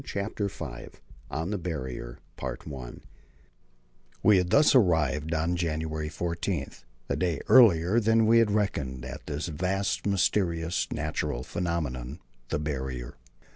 CHAPTER V On the Barrier We had thus arrived on January 14 a day earlier than we had reckoned at this vast, mysterious, natural phenomenon the Barrier.